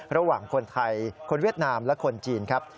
ระหว่างคนไทยคนเวียดนามและคนจีนครับ